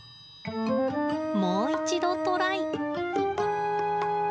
もう一度、トライ。